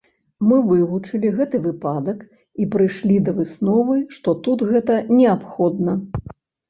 Мы вывучылі гэты выпадак і прыйшлі да высновы, што тут гэта неабходна.